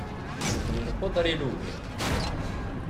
Nekkni nquder ilugan.